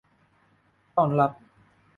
ต้อนรับ